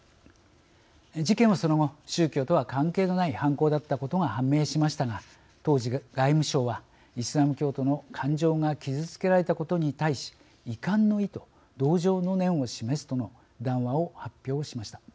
事件は、その後宗教とは関係のない犯行だったことが判明しましたが当時、外務省はイスラム教徒の感情が傷つけられたことに対し遺憾の意と同情の念を示すとの談話を発表しました。